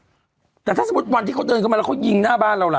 แต่ถ้าสมมุติวันที่เขาเดินเข้ามาแล้วเขายิงหน้าบ้านเราล่ะ